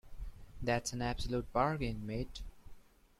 That's an absolute bargain mate.